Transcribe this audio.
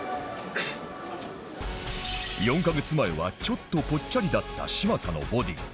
４カ月前はちょっとポッチャリだった嶋佐のボディー